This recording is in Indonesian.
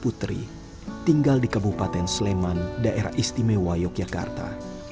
putri tinggal di kabupaten sleman daerah istimewa yogyakarta